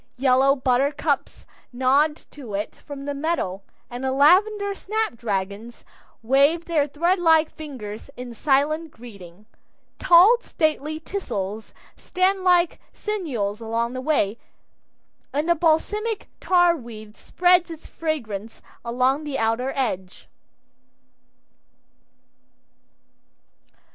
Yellow buttercups nod to it from the meadow, and the lavender snap dragons wave their threadlike fingers in silent greeting. Tall, stately teasels stand like sentinels along the way, and the balsamic tarweed spreads its fragrance along the outer edge.